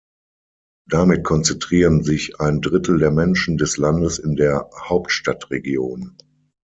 Damit konzentrieren sich ein Drittel der Menschen des Landes in der Hauptstadtregion.